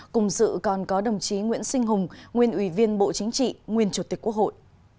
cùng dự còn có đồng chí nguyễn sinh hùng nguyên ủy viên bộ chính trị nguyên chủ tịch quốc hội